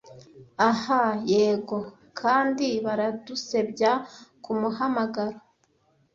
Ah yego, kandi baradusebya kumuhamagaro!